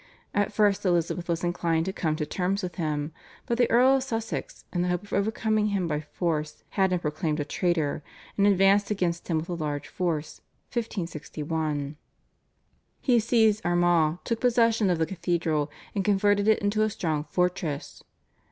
At first Elizabeth was inclined to come to terms with him, but the Earl of Sussex in the hope of overcoming him by force had him proclaimed a traitor, and advanced against him with a large force (1561). He seized Armagh, took possession of the cathedral, and converted it into a strong fortress.